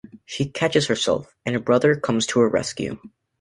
She catches herself, and her brother comes to her rescue.